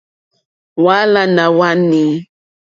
Hwálánà hwá nǐ.